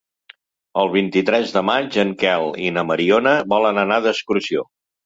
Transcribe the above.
El vint-i-tres de maig en Quel i na Mariona volen anar d'excursió.